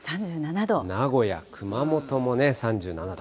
名古屋、熊本もね、３７度。